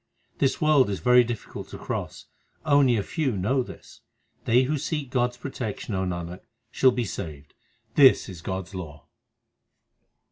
This world is very difficult to cross : only a few know this. They who seek God s protection, O Nanak, shall be saved ; this is God s law.